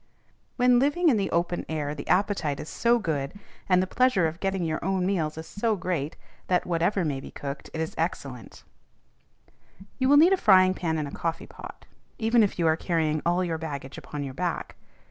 When living in the open air the appetite is so good, and the pleasure of getting your own meals is so great, that, whatever may be cooked, it is excellent. You will need a frying pan and a coffee pot, even if you are carrying all your baggage upon your back.